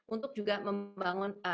untuk juga membangun